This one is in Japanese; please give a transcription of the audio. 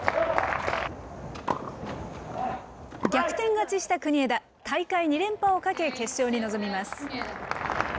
逆転勝ちした国枝、大会２連覇をかけ、決勝に臨みます。